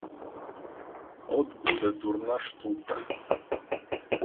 От, буде дурна штука!